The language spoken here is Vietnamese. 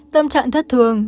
tâm trạng thất thường